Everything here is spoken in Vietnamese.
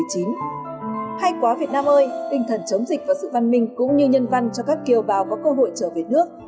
hay quá việt nam ơi tinh thần chống dịch và sự văn minh cũng như nhân văn cho các kiều bào có cơ hội trở về nước